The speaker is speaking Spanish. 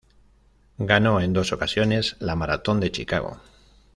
Ganó en dos ocasiones la maratón de Chicago.